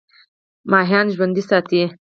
کبان ژوند ساتي.